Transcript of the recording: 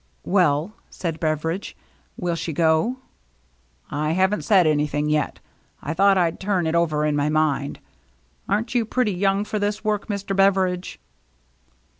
" Well/' said Beveridge, " will she go ?"" I haven't said anything yet. I thought I'd turn it over in my mind. Aren't you pretty young for this work, Mr. Beveridge?"